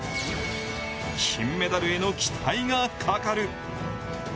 金メダルへの期待がかかる。